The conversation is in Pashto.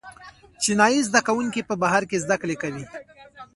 چینايي زده کوونکي په بهر کې زده کړې کوي.